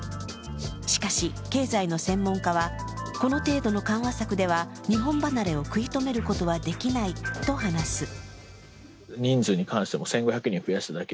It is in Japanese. しかし、経済の専門家はこの程度の緩和策では日本離れを食い止めることはできないと話す。